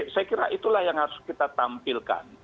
saya kira itulah yang harus kita tampilkan